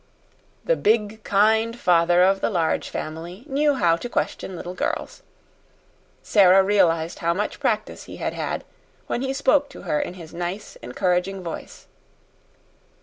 The big, kind father of the Large Family knew how to question little girls. Sara realized how much practice he had had when he spoke to her in his nice, encouraging voice.